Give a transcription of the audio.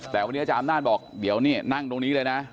แต่วันนี้อาจารย์อำนาจบอกเดี๋ยวนี่นั่งตรงนี้เลยนะ